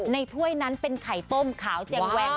ถ้วยนั้นเป็นไข่ต้มขาวแจงแว้ง